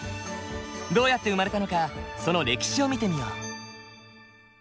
どうやって生まれたのかその歴史を見てみよう。